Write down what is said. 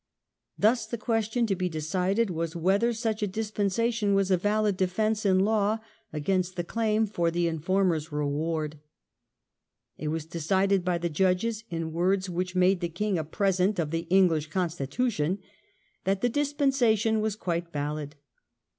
Thus the question to be decided was, whether such a dispensation was a valid defence in law against the claim for the informer's reward. It was decided by the judges, in words which made the king a present of the English constitution, that the dispensation was quite valid.